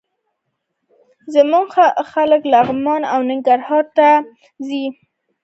زموږ خلک لغمان او ننګرهار ته د ګل هار وايي.